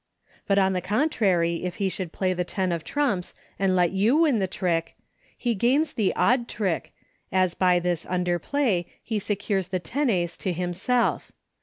But, on the contrary, if he should play the ten of trumps and let you win the trick, he gains the odd trick, as by this underplay he secures the tenace to himself.